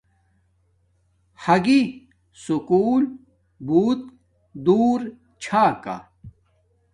ھاگی سکُول بوت دور چھا کا